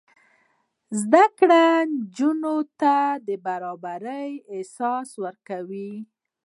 زده کړه نجونو ته د برابرۍ احساس ورکوي.